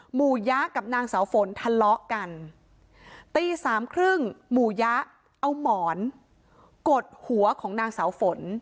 หมู่ยะกับนางเสาฝนทะเลาะกันตีสามครึ่งหมู่ยะเอาหมอนกดหัวของนางสาวฝน